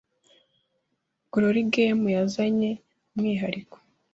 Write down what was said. Gorilla Games yazanye umwihariko